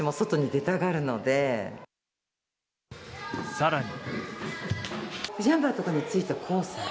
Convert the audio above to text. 更に。